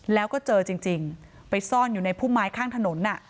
แล้วก็เจอจริงไปซ่อนอยู่ในพุ่มไม้ข้างถนน